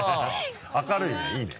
明るいねいいね。